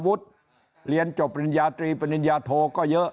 เรียนจบปริญญาตรีปริญญาโทก็เยอะ